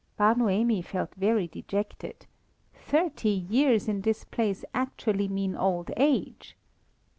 Bar Noemi felt very dejected. Thirty years in this place actually mean old age!